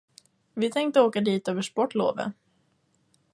Vi tänkte åka dit över sportlovet.